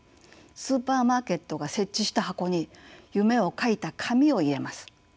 スーパーマーケットが設置した箱に夢を書いた紙を入れます。